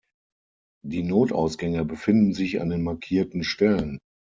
Die Notausgänge befinden sich an den markierten Stellen.